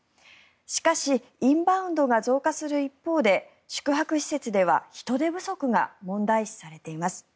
しかしインバウンドが増加する一方で宿泊施設では人手不足が問題視されています。